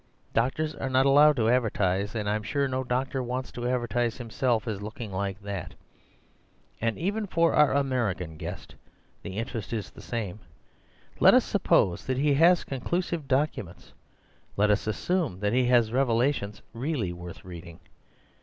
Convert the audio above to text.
Doctors are not allowed to advertise; and I'm sure no doctor wants to advertise himself as looking like that. And even for our American guest the interest is the same. Let us suppose that he has conclusive documents. Let us assume that he has revelations really worth reading.